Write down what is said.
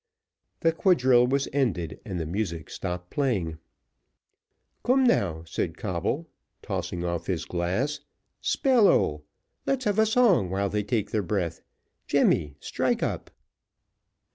The quadrille was ended, and the music stopped playing. "Come now," said Coble, tossing off his glass, "spell oh! let's have a song while they take their breath. Jemmy, strike up."